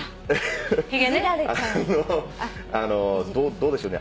どうでしょうね